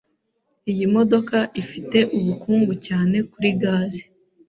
Iyi modoka ifite ubukungu cyane kuri gaze.